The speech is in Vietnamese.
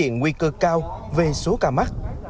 nguy cơ cao về số ca mắc